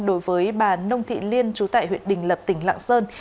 đối với bà nông thị liên chú tại huyện đình lập tỉnh lạng sơn